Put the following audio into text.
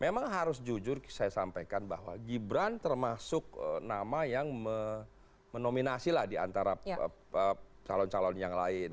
memang harus jujur saya sampaikan bahwa gibran termasuk nama yang menominasi lah diantara calon calon yang lain